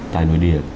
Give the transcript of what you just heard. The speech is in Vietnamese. tại nội địa